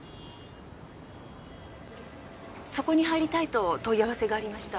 そこに入りたいと問い合わせがありました。